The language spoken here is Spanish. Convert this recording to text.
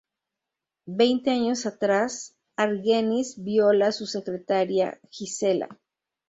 Veinte años atrás, Argenis viola a su secretaria Gisela.